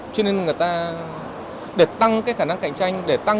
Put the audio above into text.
cho nên người ta để tăng cái khả năng cạnh tranh để tăng cái lợi ích